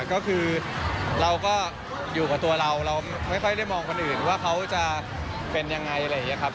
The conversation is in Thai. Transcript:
ก็คือเราก็อยู่กับตัวเราเราไม่ค่อยได้มองคนอื่นว่าเขาจะเป็นยังไงอะไรอย่างนี้ครับ